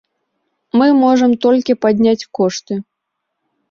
Мы можам толькі падняць кошты.